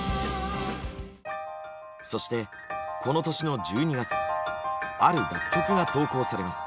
そしてこの年の１２月ある楽曲が投稿されます。